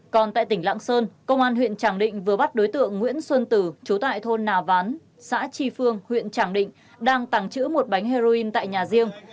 còn tại tỉnh lạng sơn công an huyện tràng định vừa bắt đối tượng nguyễn xuân tử chú tại thôn nà ván xã tri phương huyện tràng định đang tàng trữ một bánh heroin tại nhà riêng